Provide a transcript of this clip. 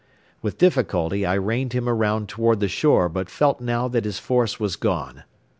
With difficulty I reined him around toward the shore but felt now that his force was gone.